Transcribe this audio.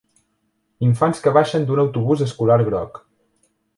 Infants que baixen d'un autobús escolar groc.